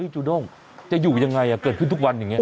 จูด้งจะอยู่ยังไงเกิดขึ้นทุกวันอย่างนี้